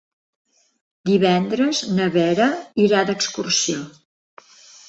Divendres na Vera irà d'excursió.